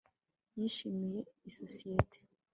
yishimiye isosiyete